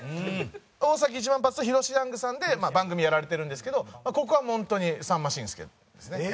大崎一万発とヒロシ・ヤングさんで番組やられてるんですけどここは本当にさんま紳助ですね。